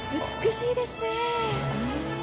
美しいですね。